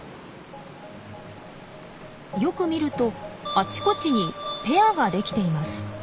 よく見るとあちこちにペアができています。